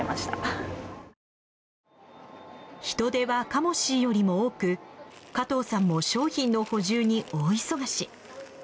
人出はカモシーよりも多く加藤さんも商品の補充に大忙し。